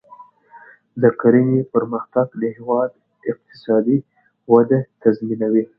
د کرنې پرمختګ د هیواد اقتصادي وده تضمینوي.